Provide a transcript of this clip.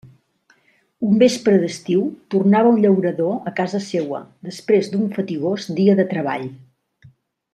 Un vespre d'estiu tornava un llaurador a casa seua, després d'un fatigós dia de treball.